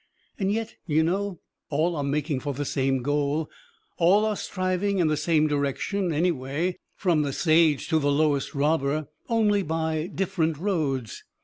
And yet, you know, all are making for the same goal, all are striving in the same direction anyway, from the sage to the lowest robber, only by different roads.